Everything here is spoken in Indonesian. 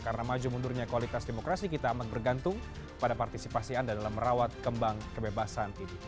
karena maju mundurnya kualitas demokrasi kita amat bergantung pada partisipasi anda dalam merawat kembang kebebasan ini